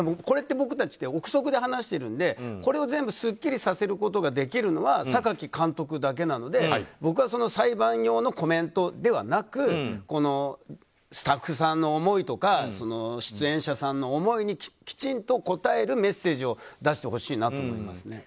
これって僕たちって憶測で話してるのでこれを全部すっきりさせることができるのは榊監督だけなので僕は裁判用のコメントではなくスタッフさんの思いとか出演者さんの思いにきちんと応えるメッセージを出してほしいなと思います。